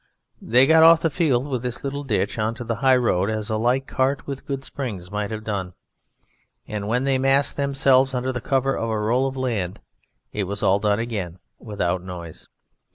They got off the field with its little ditch on to the high road as a light cart with good springs might have done. And when they massed themselves under the cover of a roll of land it was all done again without noise.